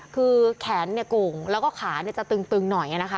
คือแขนเนี่ยกลงแล้วก็ขาเนี่ยจะตึงตึงหน่อยน่ะนะคะ